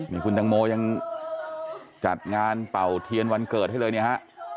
นี่คุณตังโมยังจัดงานเป่าเทียนวันเกิดให้เลยเนี่ยฮะ